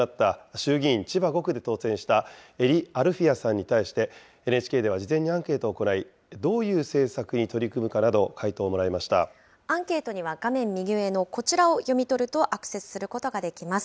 衆議院千葉５区で当選した英利アルフィヤさんに対し、ＮＨＫでは事前にアンケートを行い、どういう政策に取り組むかなど、回答をアンケートには画面右上の、こちらを読み取るとアクセスすることができます。